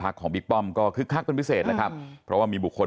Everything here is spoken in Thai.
ก็คือครักเป็นพิเศษนะครับเพราะว่ามีบุคคล